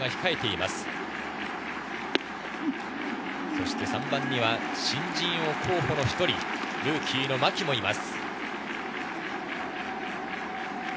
そして３番には新人王候補の１人、ルーキー・牧もいます。